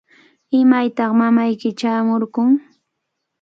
¿Imaytaq mamayki chaamurqun?